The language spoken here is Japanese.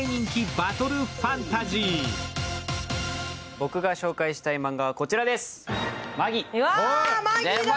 僕が紹介したいマンガはこちらです、「マギ」。